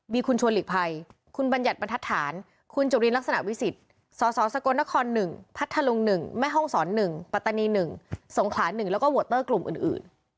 มีคุณชวนหลีกภัยคุณบัญญัติบรรทัศน์คุณจุลินลักษณะวิสิทธิ์สสสกลนคร๑พัทธลุง๑แม่ห้องศร๑ปัตตานี๑สงขลา๑แล้วก็โวเตอร์กลุ่มอื่น